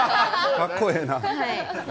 かっこええな。